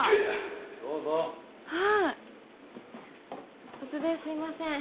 ・どうぞ突然すいません